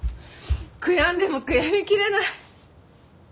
悔やんでも悔やみきれない。